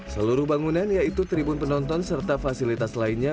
seluruh bangunan yaitu tribun penonton serta fasilitas lainnya